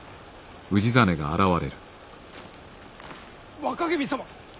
若君様！